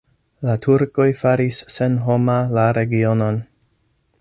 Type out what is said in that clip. La turkoj faris senhoma la regionon.